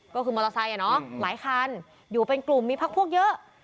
ก็คือมอเตอร์ไซค์หลายคันอยู่เป็นกลุ่มมีพักพวกเยอะ